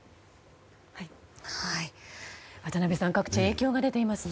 渡辺さん各地に影響が出ていますね。